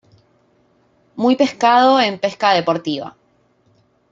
Muy pescado en pesca deportiva.